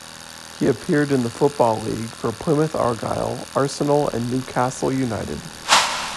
He appeared in the Football League for Plymouth Argyle, Arsenal and Newcastle United.